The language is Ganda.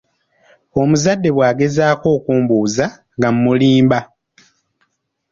Omuzadde bwagezaako okumubuuza, ng'amulimba.